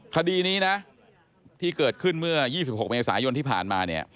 คดีนี้นะที่เกิดขึ้นเมื่อ๒๖เมษายนที่ผ่านมาเนี่ย